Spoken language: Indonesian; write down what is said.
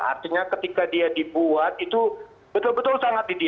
artinya ketika dia dibuat itu betul betul sangat ideal